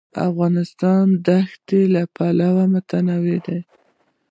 افغانستان د ښتې له پلوه متنوع دی.